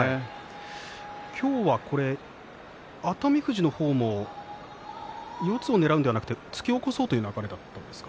今日は、熱海富士の方も四つをねらうんではなくて突き起こそうということですか。